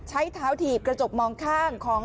ใช้เท้าถีบกระจกมองข้างของ